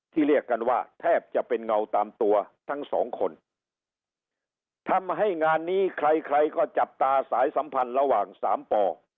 เรียกกันว่าแทบจะเป็นเงาตามตัวทั้งสองคนทำให้งานนี้ใครใครก็จับตาสายสัมพันธ์ระหว่างสามป่อ